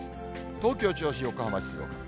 東京、銚子、横浜、静岡。